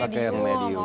pakai yang medium